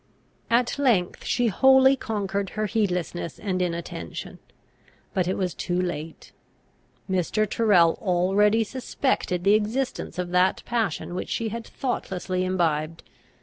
At length she wholly conquered her heedlessness and inattention. But it was too late. Mr. Tyrrel already suspected the existence of that passion which she had thoughtlessly imbibed.